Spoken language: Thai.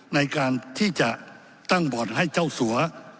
ในการที่จะตั้งบ่อนให้เจ้าสัว